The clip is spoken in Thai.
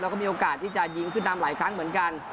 แล้วก็มีโอกาสที่จะยิงขึ้นนำหลายครั้งเหมือนกัน